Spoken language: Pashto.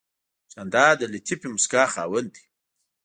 جانداد د لطیفې موسکا خاوند دی.